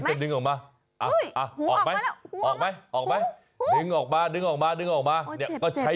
ตรงขอบมันแข็งอะ